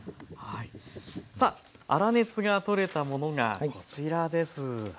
さあ粗熱が取れたものがこちらです。